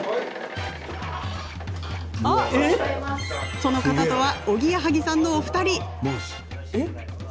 その方とはおぎやはぎさんのお二人です。